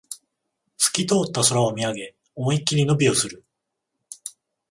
すき通った空を見上げ、思いっきり伸びをする